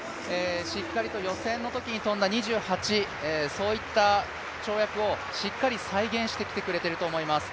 しっかりと予選のときに跳んだ２８、そういった跳躍をしっかり再現してきてくれていると思います。